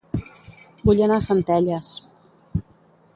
Vull anar a Centelles